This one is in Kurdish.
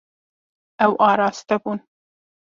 Ew araste bûn.